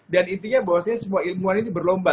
dan intinya bahwasanya semua ilmuwan ini berlomba